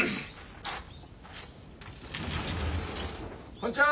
こんちは！